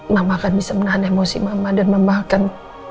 mama akan bisa menahan emosi mama dan mama akan